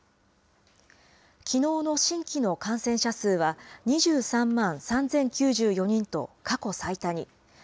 きのうの新規の感染者数は２３万３０９４人と、過去最多に。